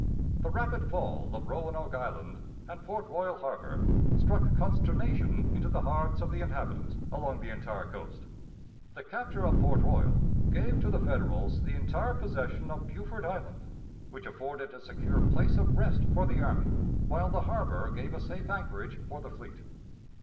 The rapid fall of Roanoke Island and Port Royal Harbor struck consternation into the hearts of the inhabitants along the entire coast. The capture of Port Royal gave to the Federals the entire possession of Beaufort Island, which afforded a secure place of rest for the army, while the harbor gave a safe anchorage for the fleet.